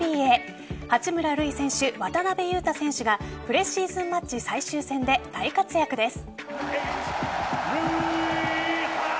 八村塁選手、渡邊雄太選手がプレシーズンマッチ最終戦で大活躍です。